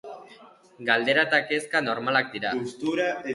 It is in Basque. Galdera eta kezka normalak dira.